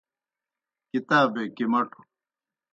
کتابے کِمٹوْ